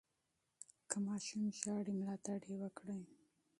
که ماشوم ژاړي، ملاتړ یې وکړئ.